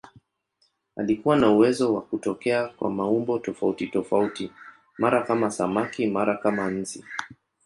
Alikuwa na uwezo wa kutokea kwa maumbo tofautitofauti, mara kama samaki, mara kama nzi.